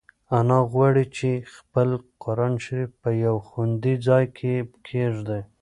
انا غواړي چې خپل قرانشریف په یو خوندي ځای کې کېږدي.